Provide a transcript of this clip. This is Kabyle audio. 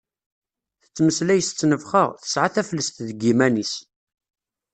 Tettmeslay s ttnefxa, tesɛa taflest deg yiman-is.